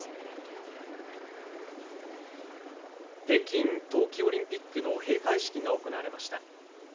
北京冬季オリンピックの閉会式が行われました。